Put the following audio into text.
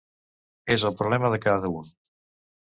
És el problema de cada un.